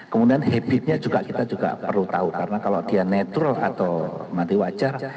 kemudian habitnya juga kita juga perlu tahu karena kalau dia netral atau mati wajar